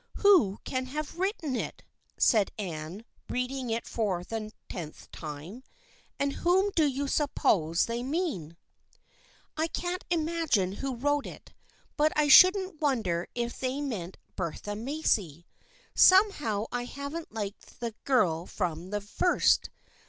" Who can have written it ?" said Anne, reading it for at least the tenth time. " And whom do you suppose they mean ?"" I can't imagine who wrote it, but I shouldn't wonder if they meant Bertha Macy. Somehow 1 haven't liked that girl from the first.